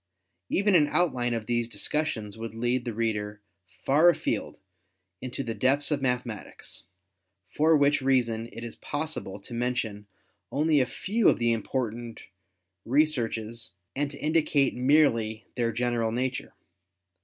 Even an outline of these discussions would lead the reader far afield into the depths of mathematics, for which reason it is possible to mention only a few of the important researches and to indicate merely their general nature.